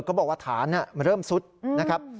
ก็บอกว่าฐานเริ่มซุดนะครับ